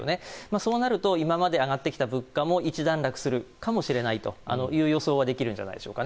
そうなると今まで上がってきた物価もひと段落するかもしれないという予想はできるんじゃないでしょうか。